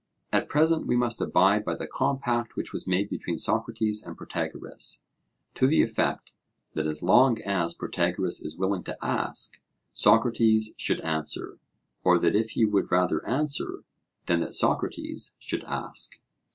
At present we must abide by the compact which was made between Socrates and Protagoras, to the effect that as long as Protagoras is willing to ask, Socrates should answer; or that if he would rather answer, then that Socrates should ask.